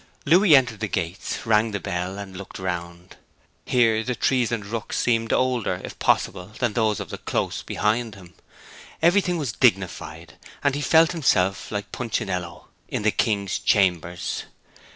Louis entered the gates, rang the bell, and looked around. Here the trees and rooks seemed older, if possible, than those in the Close behind him. Everything was dignified, and he felt himself like Punchinello in the king's chambers.